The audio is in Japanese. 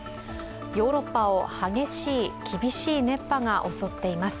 ヨーロッパを激しい、厳しい熱波が襲っています。